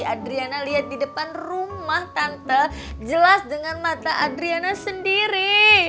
adriana lihat di depan rumah tanpa jelas dengan mata adriana sendiri